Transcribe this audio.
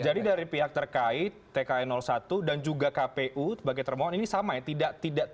jadi dari pihak terkait tkn satu dan juga kpu sebagai permohonan ini sama ya